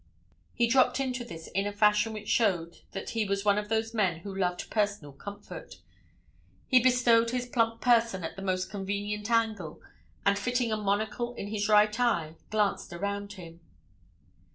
He dropped into this in a fashion which showed that he was one of those men who loved personal comfort; he bestowed his plump person at the most convenient angle and fitting a monocle in his right eye, glanced around him.